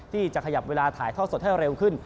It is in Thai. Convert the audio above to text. ที่จะขยับเวลาถ่ายทอดสดให้เร็วขึ้น